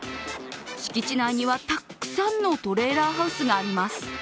敷地内にはたくさんのトレーラーハウスがあります。